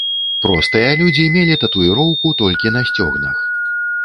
Простыя людзі мелі татуіроўку толькі на сцёгнах.